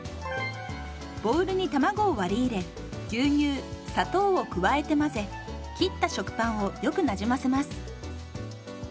ボウルに卵を割り入れ牛乳砂糖を加えて混ぜ切った食パンをよくなじませます。